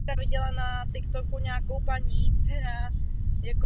Poloha budovy na návrší zajišťuje její viditelnost ze širokého okolí Žiliny.